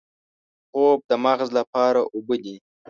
خوب د مغز لپاره اوبه دي